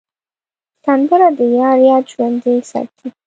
سندره د یار یاد ژوندی ساتي